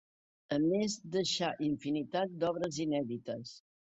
A més deixà infinitat d'obres inèdites.